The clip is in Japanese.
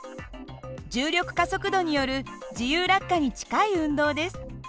重力加速度による自由落下に近い運動です。